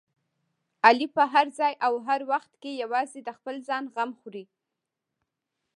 علي په هر ځای او هر وخت کې یوازې د خپل ځان غمه خوري.